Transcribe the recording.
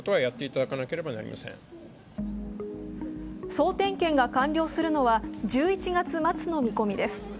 総点検が完了するのは１１月末の見込みです。